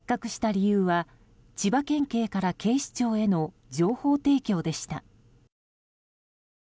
この事件、発覚した理由は千葉県警から警視庁への情報提供でした。